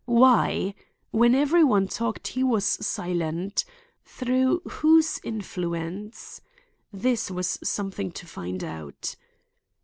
Why? When every one talked he was silent. Through whose influence? This was something to find out.